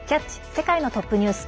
世界のトップニュース」。